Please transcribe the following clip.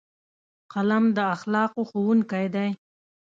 قلم د اخلاقو ښوونکی دی